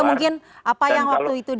mungkin apa yang waktu itu di